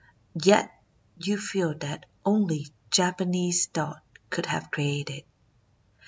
Yet you feel that only Japa nese thought could have created it.